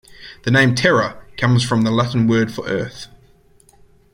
The name "Terra" comes from the Latin word for Earth.